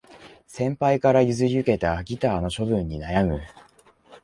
先輩から譲り受けたギターの処分に悩む